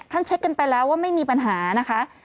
เช็คกันไปแล้วว่าไม่มีปัญหานะคะ